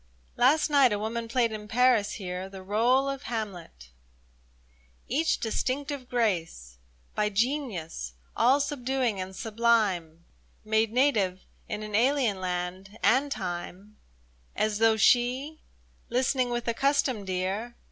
♦ Last night a woman played in Paris here The r61e of Hamlet, each distinctive grace, By genius all subduing and sublime, 60 A TSARAH BERNHARDT THEATRE Made native in an alien land and time, — As though she, listening with accustomed ear.